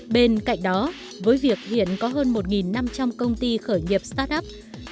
bên cạnh đó với việc hiện có hơn một năm trăm linh công ty khởi nghiệp start up